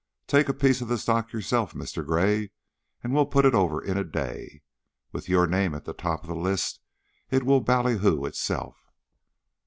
"Take a piece of the stock yourself, Mr. Gray, and we'll put it over in a day. With your name at the top of the list it will bally hoo itself."